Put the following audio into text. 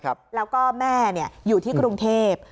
แล้วก็แม่อยู่ที่กรุงเทพ